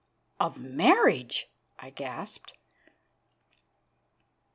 "Of marriage!" I gasped.